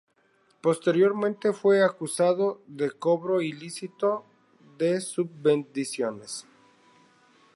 Posteriormente, fue acusado de cobro ilícito de subvenciones.